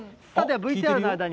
ＶＴＲの間に。